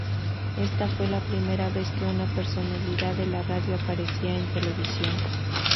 Ésta fue la primera vez que una personalidad de la radio aparecía en televisión.